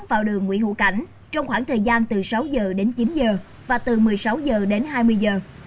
vào đường nguyễn hữu cảnh trong khoảng thời gian từ sáu giờ đến chín giờ và từ một mươi sáu giờ đến hai mươi giờ